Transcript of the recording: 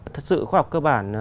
thật sự khoa học cơ bản